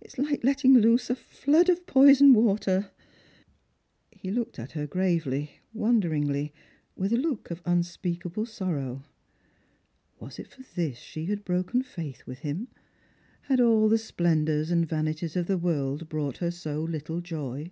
It is hke letting loose a flood of poisoned waters." He looked at her gravely, wonderingly, with a look of un speakable sorrow. Was it for this she had broken faith with him ? Had all the splendours and vanities of the world brought her so little joy